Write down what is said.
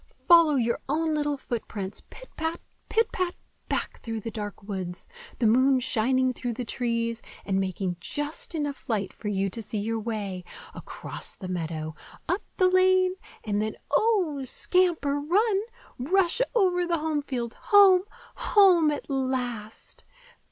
Follow your own little footprints, pit pat, pit pat, back through the dark woods,—the moon shining through the trees, and making just enough light for you to see your way,—across the meadow, up the lane and then,—oh! then scamper, run! rush over the home field, home! home at last!